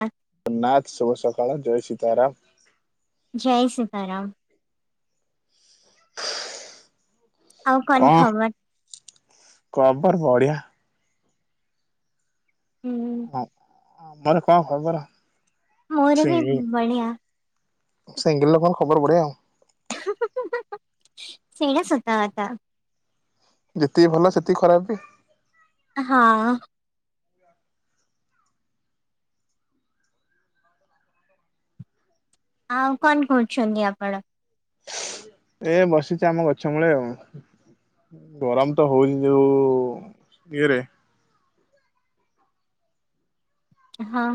ଆ ନାଥ ଶୁଭ ସକାଳ ଜୟ ସୀତାରାମ। ଜୟ ସୀତାରାମ। ଆଉ କଣ ଖବର? ଖବର ବଢିଆ। ହୁଁ ଆମର କଣ ଖବର। ମୋର ବି ବଢିଆ। ସିଙ୍ଗଲ୍ ଲୋକଙ୍କ ଖବର ବଢିଆ ଆଉ। ସେଇଟା ସତ କଥା। ଯେତିକି ଭଲ ସେତିକି ଖରାପ ବି। ହଁ। ଆଉ କଣ କରୁଛନ୍ତି ଆପଣ? ଏ ବସିଚି ଆମ ଗଛ ମୂଳେ ଆଉ। ଗରମ ତ ହଉନି ଯେଉଇଏରେ। ହଁ।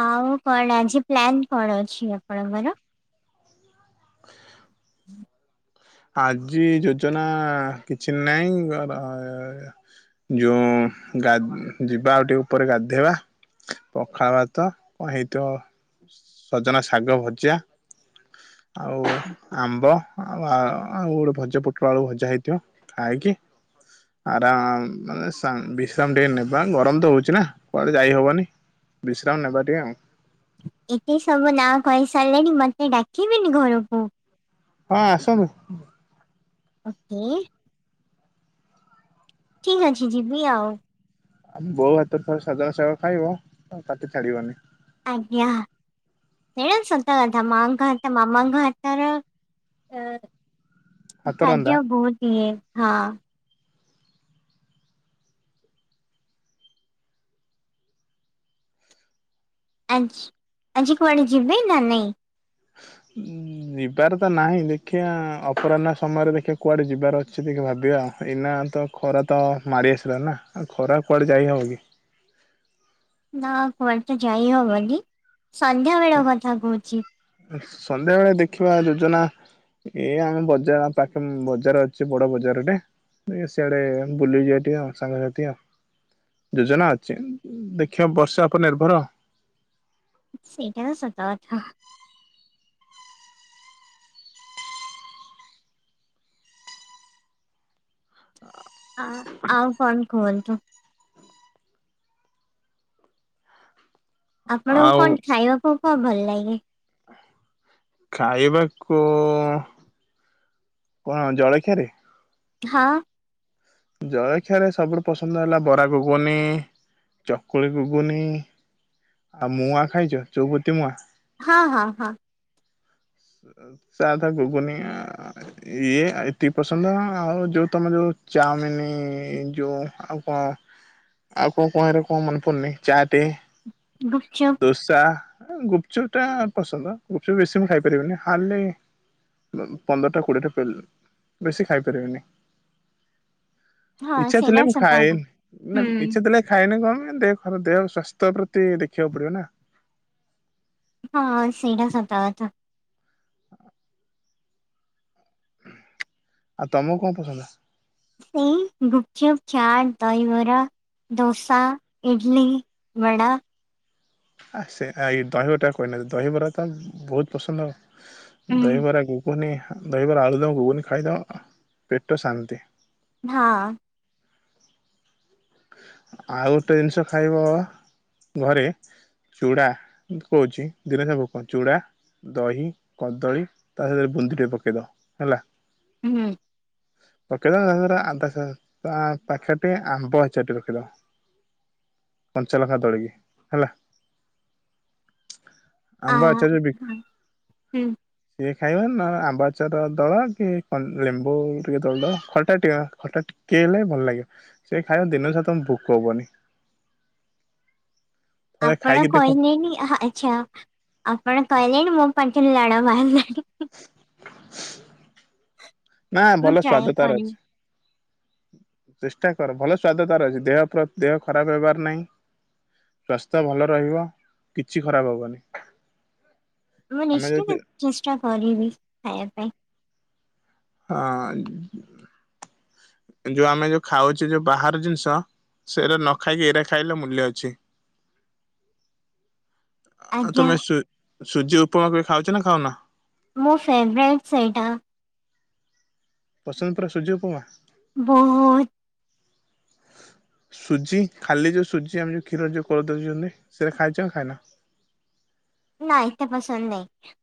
ଆଉ କଣ ଆଜି ପ୍ଲାନ କଣ ଅଛି ଆପଣଙ୍କର? [inaudible] ଆଜି ଯୋଜନା କିଛି ନାହିଁ ଘର ଯୋଉ ଗା ଯିବା ଆଉ ଟିକେ ଉପରେ ଗାଧେଇବା। ପଖାଳ ଭାତ କଣ ହେଇଥିବ ସଜନା ଶାଗ ଭଜା। ଆଉ ଆମ୍ବ ଆଉ ଆଉ ଗୋଟେ ଭଜା ପୋଟଳ ଆଳୁ ଭଜା ହେଇଥିବ। ଆଇ କି ଆରାମ ମାନେ ବିଶ୍ରାମ ଟିକେ ନବା ଗରମ ତ ହଉଚ ନା କୁଆଡେ ଯାଇ ହବନି। ବିସ୍ରାମ ନେବା ଟିକିଏ ଆଉ। ଏତେ ସବୁ ନା କହି ସାରିଲେଣି ମତେ ଡାକିବେନି ଘରକୁ? ହଁ ଆସନ୍ତୁ। କିଏ? ଠିକ୍ ଅଛି ଯି ବି ଆଉ। ଆମ ବୋଉ ହାତରୁ ଥରେ ସଜନା ସାଗ ଖାଇବ ଆଉ ପାଟିରୁ ଛାଡିବନି। ଆଜ୍ଞା। ଏଁ ସତ କଥା ମାଙ୍କ ହାତରୁ ମାମାଙ୍କ ହାତୁରୁ ଏ। ହାତ ରନ୍ଧା ଖାଦ୍ୟ ବହୁତ୍ ଇଏ ହଁ। ଆଜି ଆଜି କୁଆଡ଼େ ଯିବେ ନା ନାହିଁ? ଉଁ। ଯିବାର ତ ନାହିଁ ଦେଖିବା ଅପରାହ୍ନ ସମୟରେ ଦେଖିବା କୁଆଡ଼େ ଯିବାର ଅଛି ଦେଖି ଭାବିବା ଏଇନା ତ ଖରା ତ ମାଡ଼ି ଆସିଲାନିନା ଆଉ ଖରାରେ କୁଆଡ଼େ ଯାଇ ହେବ କି? ନା କୁଆଡେ ତ ଯାଇହବନି ସନ୍ଧ୍ୟା ବେଳ କଥା କହୁଛି। ସନ୍ଧ୍ୟାବେେଳେ ଦେଖିବା ଯୋଜନା ଏ ଆମେ ବଜାର ପାଖେ ବଜାର ଅଛି ବଡ ବଜାରଟେ। ସିଆଡେ ବୁଲି ଯିବା ଟି ଆଉ ସାଙ୍ଗସାଥି ଆଉ। ଯୋଜନା ଅଛି ଦେଖିବା ବର୍ଷା ଉପରେ ନିର୍ଭର। ସେଇଟା ବି ସତକଥା। ହଁ ଆଉ କଣ କୁହନ୍ତୁ? ଆପଣଙ୍କୁ ଆଉ କଣ ଖାଇବାକୁ କଣ ଭଲ ଲାଗେ? ଖାଇବାକୁ କଣ ଜଳଖିଆରେ? ହଁ। ଜଳଖିଆରେ ସବୁଠୁ ପସନ୍ଦ ହେଲା ବରା ଗୁଗୁନି ଚକୁଳି ଗୁଗୁନି। ଆଉ ମୁୂଆଁ ଖାଇଚ ଚଉପତି ମୁଆଁ? ହଁ ହଁ ହଁ। ଚାଧା ଗୁଗୁନି। ଇଏ ଏତିକି ପସନ୍ଦ ଆଉ ଯୋଉ ତମେ ଯୋଉ ଚାଉମିନ ଯୋଉ ଆଉ। ହଁ ଆଉ କଣ କଣ ହେରା ମନେ ପଡୁନି ଚା ଟେ। ଗୁପଚୁପ ଦୋସା ଗୁପ୍ ଚୁପ୍ ଟା ପସନ୍ଦ ଗୁପ୍ ଚୁପ୍ ବେଶୀ ମୁ ଖାଇପାରିବନି ହାଡଲି ପନ୍ଦରଟା କୋଡିଏଟା ପେଲେ ବେଶୀ ଖାଇପାରିବେନି। ହଁ ଇଚ୍ଛା ଥିଲେ ସେଇଟା ମୁ ସତ ଖାଇନି କଥା ହୁଁ। ନା ଇଚଛା ଥିଲେ ଖାଇନେ କଣନା ଦେହ ଦେହ ସ୍ୱ ସ୍ଥ୍ୟ ପ୍ରତି ଦେଖିବାକୁ ପଡିବ ନା। ହଁ ସିଟା ସତାଥା। ଆଉ ତମୁକୁ କଣ ପସନ୍ଦ? ଏଇ ଗୁପଚୁପ, ଚାଟ, ଦହିବରା। ଦୋସା, ଇଡ଼ଲି, ବଡ଼ା। ଆ ସେ ଏ ଦହିବରାଟା କହିନାହାନ୍ତି ଦହିବରା ତ ବହୁତ ପସନ୍ଦ ଆଉ। ହୁଁ ଦହିବରା ଗୁଗୁନି ଦହିବରା ଆଳୁ ଦମ ଘୁଗୁନି ଖାଇଦବ ପେଟ ଶାନ୍ତି। ହଁ। ଆଉ ଟେ ଜିନିଷ ଖାଇବ ଘରେ ଚୁଡ଼ା କହୁଛି [unintelligible] ଚୁଡ଼ା ଦହି କଦଳୀ ତା ସହିତ ବୁନ୍ଦି ଟେ ପକେଇଦବ ହେଲା। ହୁଁ। ପକେଇ ଦବ [unintelligible] ତା ପାଖେରେ ଆମ୍ବ ହେ ଚଟି ରଖିଦବା କଞ୍ଚା ଲଙ୍କା ଦଳିକୀ ହେଲା। ଆ ଆମ୍ବ ଆଚାର ବି ହଁ, ହୁଁ ସେ ଖାଇବା ନା ଆମ୍ବାଚାର ଦଳ କି ଲେମ୍ବୁ ଟିକେ ଦଳ ଦବା ଖଟା ଟିକେ ଖଟା ଟି ତି ହେଲେ ଭଲ ଲାଗିବ ସେ [unintelligible] ଦିନ ସାଆ ତମକୁ ଭୋକ ହବନି। ଥରେ ଆପଣ ଖାଇକି ଦେଖ କହିଲେଣି ଆଚ୍ଛା ଆପଣ କହିଲେଣି ମୋ ପାଟିରୁ ଲାଳ ବାହାରିଲାଣି। ନା ମୁଁ ଭଲ ଟ୍ରାଏ ସ୍ୱାଦତାର କରିବି ଅଛି। ଚେଷ୍ଟା କର ଭଲ ସ୍ଵାଦତାର ଅଛି ଦେହ ଦେହ ଖରାପ ହେବାର ନାଇଁ। ସ୍ୱାସ୍ଥ୍ୟ ଭଲ ରହିବ କିଛି ଖରାପ ହବନି। ମୁଁ ଆମେ ଯଦି ନିଶ୍ଚିତ ଚେଷ୍ଟା କରିବି ଖାଇବା ପାଇଁ। ହଁ ଯୋଉ ଆମେ ଯୋଉ ଖାଉଛେ ଯୋଉ ବାହାର ଜିନିଷ ସେରା ନ ଖାଇକି ଏରା ଖାଇଲେ ମୂଲ୍ୟ ଅଛି। ଆଉ ଆଜ୍ଞା ତମେ ସୁ ସୁଜି ଉପମା କେବେ ଖାଉଛ ନା ଖାଉନ? ମୋ ଫେଭରାଇଟ୍ ସେଇଟା। ପସନ୍ଦ ପୁରା ସୂଜିଉପମା। ବୋହୁତ। ସୁଜି ଖାଲି ଯୋଉ ସୁଜି ଆମେ ଯଉ କ୍ଷୀର ରେ ଯଉ କରିଦଉଛନ୍ତି ସେରା ଖାଇଚ ନା ଖାଇନ? ନା ଏତେ ପସନ୍ଦ ନାଇଁ।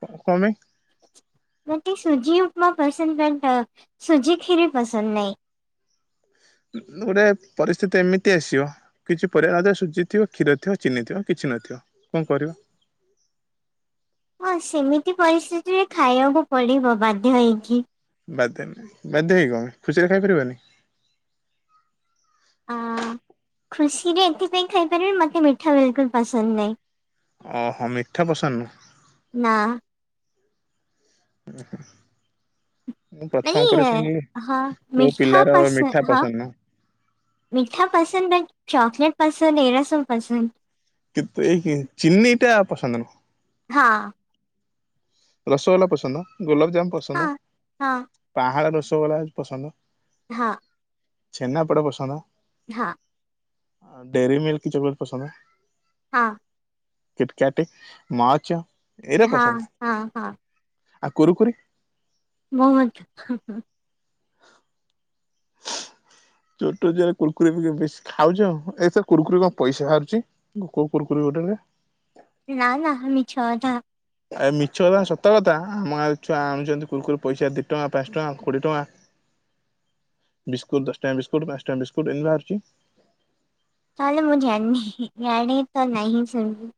କ କମାଇ? ମତେ ସୁଜି ଉପମା ପସନ୍ଦ ବଟ ଶୁଜି ଖିରି ପସନ୍ଦ ନାଇଁ। ଏରା ପରିସ୍ଥିତି ଏମିତି ଆସିବ। କିଛି ପରିଆ ନଥିବ ସୁଜି ଥିବ କ୍ଷୀର ଥିବ ଚିନି ଥିବ କିଛି ନଥିବ କଁ କରିବ? ହଁ ସେମିତି ପରିସ୍ଥିତିରେ ଖାଇବାକୁ ପଡିବ ବାଧ୍ୟ ହେଇକି। ବାଧ୍ୟ ନାଇଁ, ବାଧ୍ୟ ହେଇକି କ ପାଇଁ ଖୁସିରେ ଖାଇପାରିବନି। ଆ ଖୁସିରେ ଏଥିପାଇଁ ଖାଇପାରିବି ମତେ ମିଠା ବିଲକୁଲ ପସନ୍ଦ ନାଇଁ। ଅ ହ ମିଠା ପସନ୍ଦ ନୁହ। ନା। ଉଁ ହୁଁ। ମୁଁ ପ୍ରଥମ ମାନେ କରି ଶୁଣିଲି ହଁ କୋଉ ମିଠା ପିଲାର ମିଠା ହଁ ପସନ୍ଦ ନୁହ। ମିଠା ପସନ୍ଦ ନା କି ଚକଲେଟ ପସନ୍ଦ ଏରା ସବୁ ପସନ୍ଦ। କିନ୍ତୁ ଏଇ କି ଚିନି ଟା ପସନ୍ଦ ନୁହଁ। ହଁ। ରସଗୋଲା ପସନ୍ଦ, ଗୋଲାପଜାମୁ ପସନ୍ଦ, ହଁ ହଁ ପାହାଳ ରସଗୋଲା ପସନ୍ଦ। ହଁ। ଛେନାପୋଡ଼ ପସନ୍ଦ। ହଁ। ଆ ଡେରି ମିଲ୍କ ଚକଲେଟ୍ ପସନ୍ଦ। ହଁ। କିଟକାଟେ ମାଚ ହଁ ହଁ ହଁ। ଆଉ କୁରୁକୁରି? ବହୁତ୍ ହୁଁ ହୁଁ। [unintelligible] ଛୋଟଛୁଆରେ କୁରକୁରି ଫୁରକୁରି ବେଶୀ ଖାଉଛ ଏଥେରେ କୁରକୁରି କଣ ପଇସା ବାହାରୁଛି? କୋଉ କୁରକୁରି ଗୋଟେରେ? ନା ନା ମିଛ କଥା। ଏ ମିଛ କଥା ନା ସତକଥା ଆମ ଗାଆଁରେ ଛୁଆ ଆଣୁଛନ୍ତି କୁରକୁରି ପଇସା ଦି ଟଙ୍କା, ପାଞ୍ଚ ଟଙ୍କା, କୋଡ଼ିଏ ଟଙ୍କା। [unintelligible] ବିସ୍କୁଟ ଦଶ ଟଙ୍କିଆ ବିସ୍କୁଟ ପାଞ୍ଚ ଟଙ୍କିଆ ବିସ୍କୁଟ ଏମିତି ବାହାରୁଛି। ତାହେଲେ ମୁଁ ଜାଣିନି, ଜାଣି ତ ନାହିଁ ସେମିତି।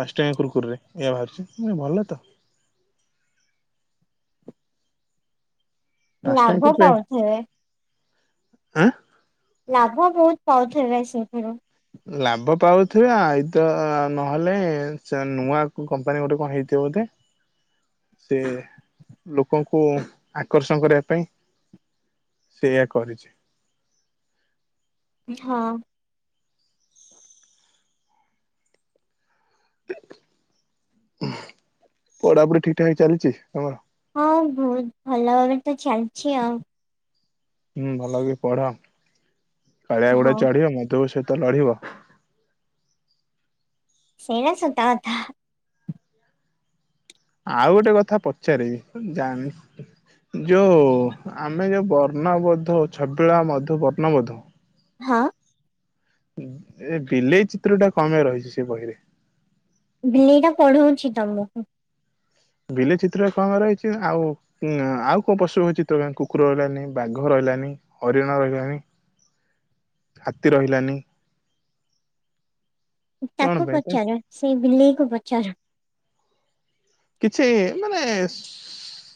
ପାଞ୍ଚ୍ ଟଙ୍କିଆ କୁରକୁରିରେ ଏଇୟା ବାହାରୁଛି, ଭଲ ତ। ପାଞ୍ଚଟଙ୍କିଆ କୁରକୁରିରେ ଆଁ ଲାଭ ବହୁତ ପାଉଥିବେ ସେଥିରୁ। ଲାଭ ପାଉଥିବେ ଆଇଦ ନହେଲେ ଯା ନୂଆ କମ୍ପାନୀ ଗୋଟେ କଣ ହେଇଥିବ ବୋଧେ। [unintelligible] ସେ ଲୋକଙ୍କୁ ଆକର୍ଷଣ କରିବା ପାଇଁ ସେଇଆ କରିଛି। ହଁ। ହୁଁ ପଢାପଢି ଠିକଠାକ୍ ଚାଲିଛି ତମର? ହଁ ବହୁତ ଭଲ ଭାବେ ତ ଚାଲିଛି ଆଉ। ହୁଁ ଭଲ କି ପଢ କାଳିଆ ଘୋଡା ହଁ ଚଢିବ ମଧୁବାବୁ ସହିତ ଲଢିବ। ସେଇରା ସତକଥା। ଆଉ ଗୋଟେ କଥା ପଚାରିବି ଜାଣିନି। ଯୋଉ-ଉ ଆମେ ଯୋଉ ବର୍ଣ୍ଣବୋଧ ଛବିଳା ମଧୁ ବର୍ଣ୍ଣବୋଧ ହଁ। ଏ ବିଲେଇ ଚିତ୍ରଟା କଅଁ ପାଇଁ ରହିଛି ସେ ବହିରେ? ବିଲେଇଟା ପଢଉଛି ତମକୁ। ବିଲେଇ ଚିତ୍ର କଅଁ ପାଇଁ ରହିଛି ଆଉ ହୁଁ ଆଉ କୋଉ ପଶୁଙ୍କ ଚିତ୍ର କାଇଁ କୁକୁର ରହିଲାନି ବାଘ ରହିଲାନି? ହରିଣ ରହିଲାନି, ହାତୀ ରହିଲାନି। କଣ ତାକୁ ପାଇଁ ତ ପଚାର, ସେଇ ବିଲେଇକୁ ପଚାର। କିଛି ମାନେ ସୁ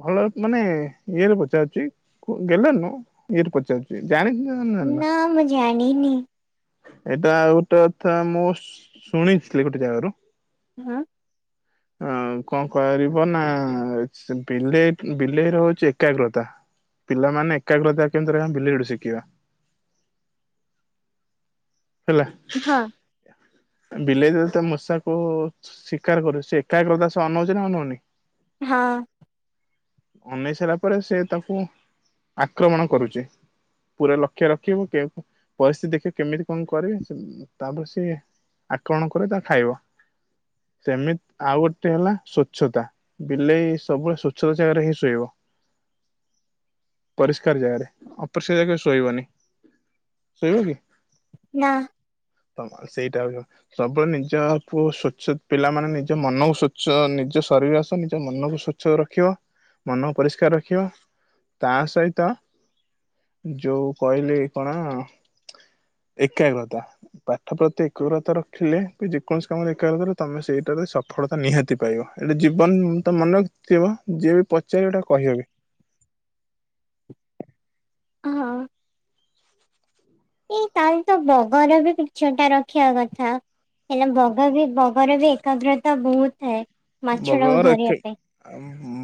ଭଲ ମାନେ ଇଏରେ ପଚାରୁଚି, କୁଅ ଗେଲରେ ନୁହଁ ଇଏରେ ପଚାରୁଚି। କିଏ ଜାଣିଥିଲେ ସିନା ନା ମୁଁ ଜାଣିନି। ଏଇଟା ଆଉ ଗୋଟେ କଥା ମୁଁ ଶୁଣିଥିଲି ଗୋଟେ ଜାଗାରୁ। ହଁ। ଆଉ କଣ କରିବ ନା [inaudible] ବିଲେଇ ବିଲେଇର ହଉଛି ଏକାଗ୍ରତା। ପିଲାମାନେ ଏକାଗ୍ରତା କେମିତି ରହିବେ ବିଲେଇଠୁ ଶିଖିବା। ହେଲା। ହଁ। ବିଲେଇ ଯେତଳେ ତମ ମୂଷାକୁ ଶିକାର କରୁଛି ସେ ଏକାଗ୍ରତା ସହ ଅନଉଛି ନା ଅନଉନି? ହଁ। ଅନେଇ ସାରିଲା ପରେ ସେ ତାକୁ ଆକ୍ରମଣ କରୁଛି। ପୁରା ଲକ୍ଷ୍ୟ ରଖିବୁ କେ ପରିସ୍ଥିତି ଦେଖିବୁ କେମିତି କଣ କରିବେ ତାପରେ ସିଏ ଆକ୍ରମଣ କରି ତାକୁ ଖାଇବ ସେମିତି ଆଉ ଗୋଟେ ହେଲା ସ୍ଵଚ୍ଛତା। ବିଲେଇ ସବୁବେଳେ ସ୍ଵଚ୍ଛ ଜାଗାରେ ହିଁ ଶୋଇବ। [unintelligible] ପରିଷ୍କାର ଜାଗାରେ ଅପରିଷ୍କାର ଜାଗାରେ ଶୋଇବନି। ସେଇିବନି? ନା। ତମ ସେଇଟା ବି ସବୁବେଳେ ନିଜ ପୁଅ ସ୍ୱଚ୍ଛ ପିଲାମାନୋନ ନିଜ ମନକୁ ସଵଚଛ ନିଜ ଶରୀର ଆସ ନିଜ ମନକୁ ସ୍ୱଚ୍ଛ ଉଛ ରଖିବ ମନ ପରିଷ୍କାର ରଖିବ ତା ସହିତ ଯୋଉ କହିଲି କଣ ଏକାଗ୍ରତା ପାଠ ପ୍ରତି ଏକାଗ୍ରତା ରଖ ଥିଲେ କି ଯେକୌଣସି କାମରେ ଦେଖିବାକୁ କଲେ ତମେ ସେଇଟାରେ ସଫଳତା ନିହାତି ପାଇବ, ଏଇଟା ଜୀବନ ତ ମନ ତ ଯିଏ ବି ପଚାରିବେ ଗଟା କହି [unintelligible] ହଁ। ଏଇ ତାର ତ ବଗର ବି କିଛଟା ରଖିବା କଥା। ହେଲେ ବଗ ବି ବଗର ବି ଏକାଗ୍ରତା ବହୁତ ଥାଏ। ମାଛଟାକୁ ବଗର ଧରିବା ପାଇଁ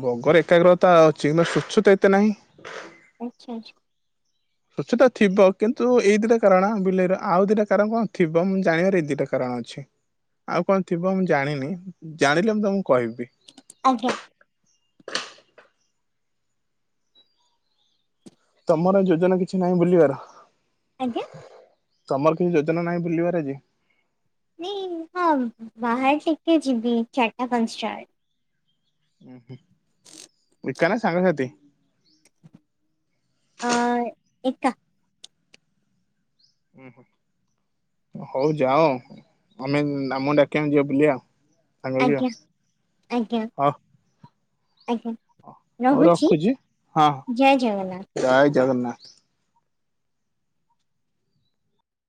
ବଗର ଏକାଗ୍ରତା ଅଛି କି ସ୍ୱଚଛୁତା ଏତେ ନାହିଁ। ଆଚ୍ଛା। ସଛ ତ ଥିବ କିନ୍ତୁ ଏଇ ଦିଇଟା କାରଣ ବିଲେଇର ଆଉ ଦିଇଟା କାରଣ କଣ ଥିବ ମୁଁ ଜାଣିବାର ଏଇ ଦିଟା କାରଣ ଅଛି। ଆଉ କଣ ଥିବ ମୁଁ ଜାଣିନି ଜାଣିଲେ ମୁଁ ତମକୁ କହିବି। ଆଜ୍ଞା। ତମର ଯୋଜନା କିଛି ନାହିଁ ବୁଲିବାର? ଆଜ୍ଞା? ତମର କିଛି ଯୋଜନା ନାହିଁ ବୁଲିବାର ଆଜି? ନ ହଁ ବାହାର ଟିକେ ଯିବି ଚାରିଟା ପାଞ୍ଚ ଟା ବେଳେ। ଓ ହ। ଏକା ନା ସାଙ୍ଗାସାଥି? ଅ ଏକା। ଓୁଁ ହୋଁ। ହଉ ଯାଅ ଆମେ ଆମ ଡାକିବା ଯିବ ବୁଲ ଆଉ। ସାଙ୍ଗ ହେଇକି ଆଜ୍ଞା ଆଉ। ଆଜ୍ଞା ହଉ ଆଜ୍ଞା। ହଉ ରହୁଛି ଜୟ ଜଗନ୍ନାଥ। ଜାୟ ଜଗନ୍ନାଥ।